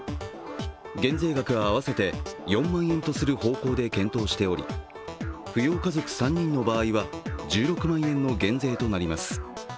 減税額は合わせて４万円とする方向で検討しており扶養家族３人の場合は１６万円の減税となります。